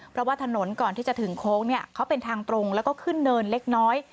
เพราะว่าถนนก่อนที่จะถึงโค้งเนี่ยเขาเป็นทางตรงแล้วก็ขึ้นเนินเล็กน้อย